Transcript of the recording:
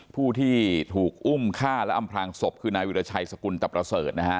ผู้ที่ถูกอุ้มฆ่าและอำพลางศพคือนายวิราชัยสกุลตะประเสริฐนะฮะ